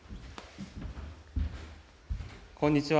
こんにちは。